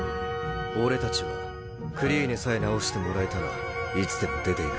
俺たちはクリーネさえ治してもらえたらいつでも出ていく。